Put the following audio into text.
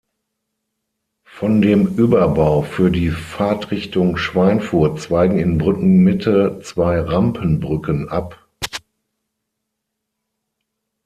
Von dem Überbau für die Fahrtrichtung Schweinfurt zweigen in Brückenmitte zwei Rampenbrücken ab.